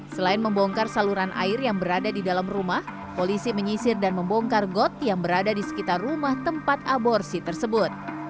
selain membongkar saluran air yang berada di dalam rumah polisi menyisir dan membongkar got yang berada di sekitar rumah tempat aborsi tersebut